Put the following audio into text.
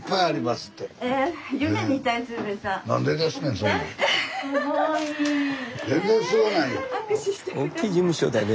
スタジオおっきい事務所だね。